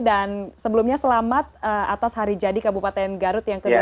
dan sebelumnya selamat atas hari jadi kabupaten garut yang ke dua ratus sepuluh ya pak